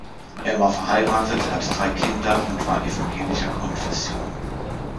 Er war verheiratet, hatte drei Kinder und war evangelischer Konfession.